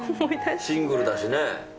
シングルだしね。